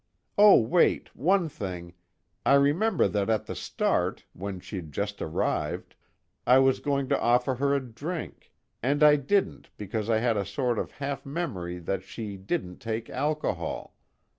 Oh, wait, one thing I remember that at the start, when she'd just arrived, I was going to offer her a drink, and I didn't because I had a sort of half memory that she didn't take alcohol.